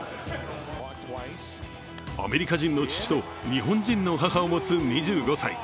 アメリカ人の父と日本人の母を持つ２５歳。